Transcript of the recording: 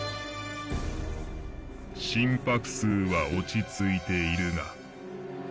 心拍数は落ち着いているが。